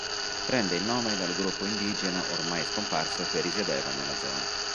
Prende il nome dal gruppo indigeno ormai scomparso che risiedeva nella zona.